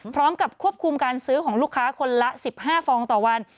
พร้อมกับควบคุมการซื้อของลูกค้าคนละ๑๕ฟองต่อวัน